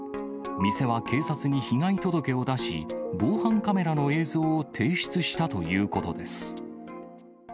店は警察に被害届を出し、防犯カメラの映像を提出したということです。